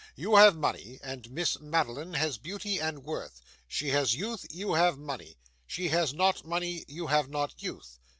You have money, and Miss Madeline has beauty and worth. She has youth, you have money. She has not money, you have not youth.